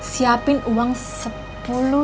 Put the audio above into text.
siapin uang sepuluh juta rupiah